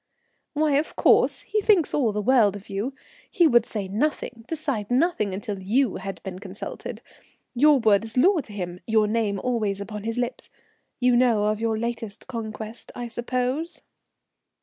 "Why, of course, he thinks all the world of you. He would say nothing, decide nothing until you had been consulted. Your word is law to him, your name always on his lips. You know of your latest conquest, I suppose?"